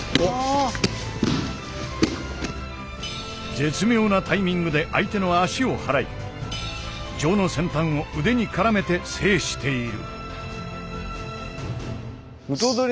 絶妙なタイミングで相手の足を払い杖の先端を腕に絡めて制している。